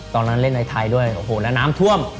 ตอนนั้นเล่นในไทยด้วยโอ้โหแล้วน้ำท่วม